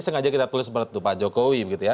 sengaja kita tulis seperti itu pak jokowi